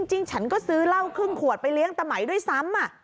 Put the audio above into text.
ฉันก็ซื้อเหล้าครึ่งขวดไปเลี้ยงตะไหมด้วยซ้ำ